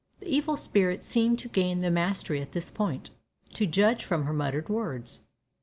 The evil spirit seemed to gain the mastery at this point, to judge from her muttered words.